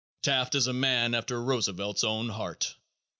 Taft is a man after Roosevelt's own heart.